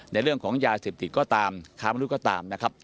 ในเรื่องของรัฐเสพติตก็ตามอากาศมนุษย์ก็ตามนะครับ